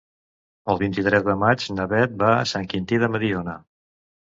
El vint-i-tres de maig na Bet va a Sant Quintí de Mediona.